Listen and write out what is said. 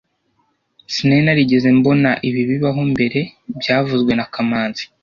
Sinari narigeze mbona ibi bibaho mbere byavuzwe na kamanzi